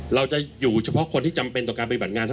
เราจะอยู่เฉพาะคนที่จำเป็นต่อการปฏิบัติงานเท่านั้น